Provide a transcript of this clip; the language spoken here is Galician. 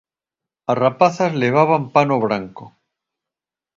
As rapazas levaban pano branco.